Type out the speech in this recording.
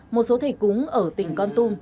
một số thầy cúng ở tỉnh con tum